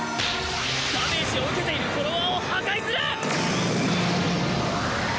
ダメージを受けているフォロワーを破壊する！